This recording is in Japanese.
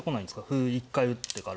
歩一回打ってから。